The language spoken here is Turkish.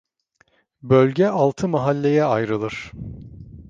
Bölge, altı mahalleye ayrılır.